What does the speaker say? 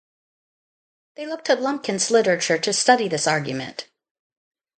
They looked to Lumpkin's literature to study this argument.